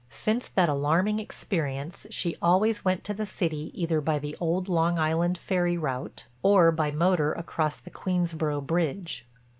Since that alarming experience she always went to the city either by the old Long Island Ferry route, or by motor across the Queensborough Bridge.